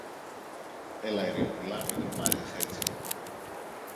Έλα, Ειρηνούλα, μην τρομάζεις έτσι!